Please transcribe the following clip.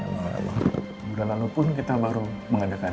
mudah mudahan kita baru mengadakan